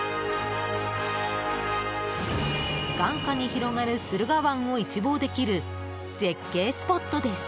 眼下に広がる駿河湾を一望できる絶景スポットです。